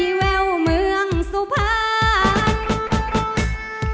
อีแววเมืองสุภาษณ์